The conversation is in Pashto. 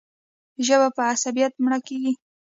ژبه په عصبیت مړه کېږي.